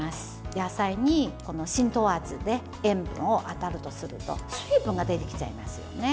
野菜に浸透圧で塩分を与えるとすると水分が出てきちゃいますよね。